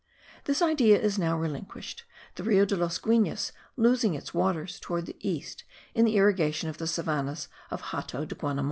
This idea is now relinquished, the Rio de los Guines losing its waters towards the east in the irrigation of the savannahs of Hato de Guanamon.